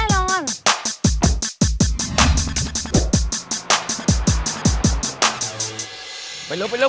แน่นอน